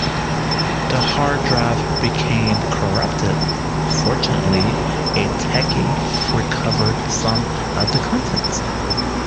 The hard drive became corrupted, fortunately, a techie recovered some of the contents.